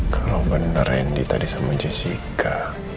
kalau bener randy tadi sama jessica